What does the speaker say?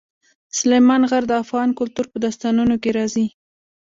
سلیمان غر د افغان کلتور په داستانونو کې راځي.